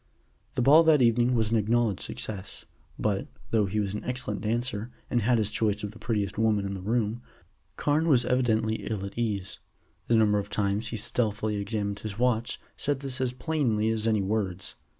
The ball that evening was an acknowledged success, but, though he was an excellent dancer, and had his choice of the prettiest women in the room, Carne was evidently ill at ease. The number of times he stealthily examined his watch said this as plainly as any words.